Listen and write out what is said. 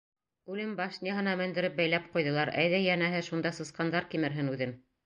Үлем башняһенә мендереп бәйләп ҡуйҙылар: әйҙә, йәнәһе, шунда сысҡандар кимерһен үҙен!